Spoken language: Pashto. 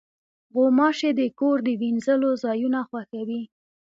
غوماشې د کور د وینځلو ځایونه خوښوي.